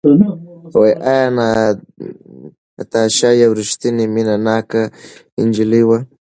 ایا ناتاشا یوه ریښتینې مینه ناکه نجلۍ وه؟